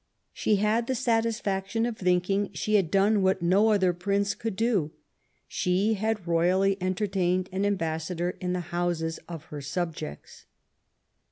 She had the satisfaction of thinking she had done what no other Prince could do; she had royally entertained an ambassador in the houses of her subjects.